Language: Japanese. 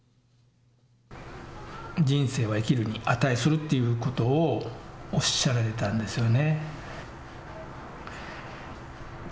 人生は生きるに値するっていうことをおっしゃられたんですよね。